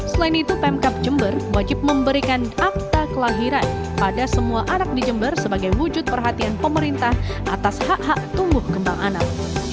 selain itu pemkap jember wajib memberikan akta kelahiran pada semua anak di jember sebagai wujud perhatian pemerintah atas hak hak tumbuh kembang anak